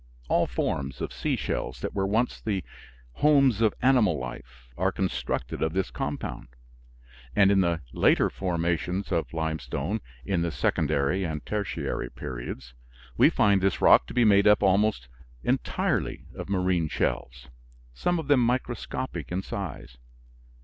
All forms of sea shells that were once the homes of animal life are constructed of this compound; and in the later formations of limestone, in the Secondary and Tertiary periods, we find this rock to be made up almost entirely of marine shells, some of them microscopic in size.